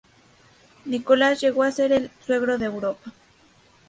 Nicolás llegó a ser llamado "El suegro de Europa".